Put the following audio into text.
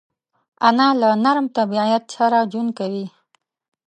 انا له نرم طبیعت سره ژوند کوي